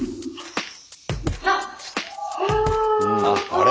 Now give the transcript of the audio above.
あれ？